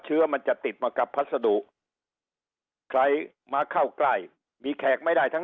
เชื้อมันจะติดมากับพัสดุใครมาเข้าใกล้มีแขกไม่ได้ทั้ง